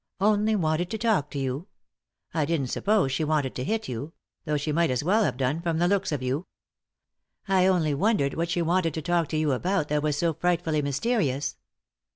"Only wanted to talk to you ? I didn't suppose she wanted to hit you — though she might as well have done from the looks of you, I only wondered what she wanted to talk to you about that was so frightfully mysterious."